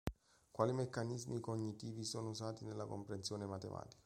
Quali meccanismi cognitivi sono usati nella comprensione matematica?